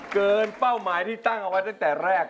เป้าหมายที่ตั้งเอาไว้ตั้งแต่แรก